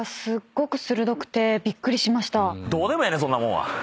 どうでもええねんそんなもんは！